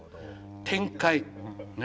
展開。ね？